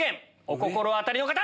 お心当たりの方！